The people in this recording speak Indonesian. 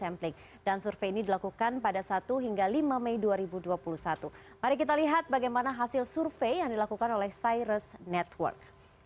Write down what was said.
mari kita lihat bagaimana hasil survei yang dilakukan oleh cyrus network